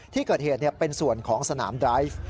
ที่เกิดเหตุเป็นส่วนของสนามไดฟ์